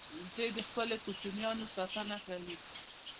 وزې د خپلو کوچنیانو ساتنه کوي